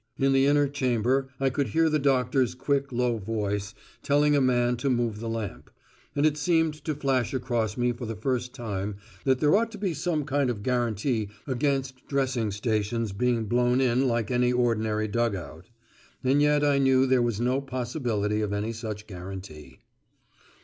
In the inner chamber I could hear the doctor's quick low voice, telling a man to move the lamp: and it seemed to flash across me for the first time that there ought to be some kind of guarantee against dressing stations being blown in like any ordinary dug out. And yet I knew there was no possibility of any such guarantee.